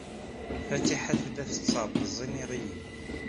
Fatiḥa tella tettabeẓ iniɣiyen.